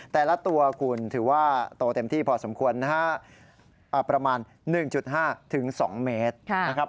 แต่ละตัวคุณถือว่าโตเต็มที่พอสมควรประมาณ๑๕ถึง๒เมตร